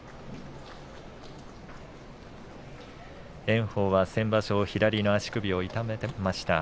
炎鵬は先場所、左の足首を痛めました。